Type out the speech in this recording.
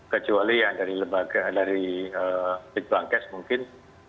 kecuali yang dari lembaga dari big bankes mungkin